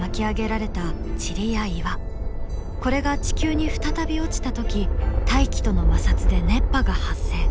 これが地球に再び落ちた時大気との摩擦で熱波が発生。